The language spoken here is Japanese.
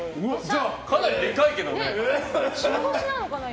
かなりでかいけどね。